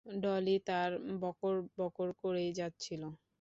ডলি তার বকর বকর করেই যাচ্ছিলো।